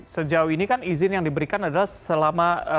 sejauh ini kan izin yang diberikan adalah selama